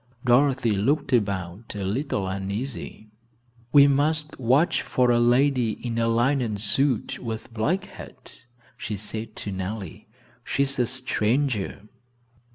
Dorothy looked about a little uneasily. "We must watch for a lady in a linen suit with black hat," she said to Nellie; "she's a stranger."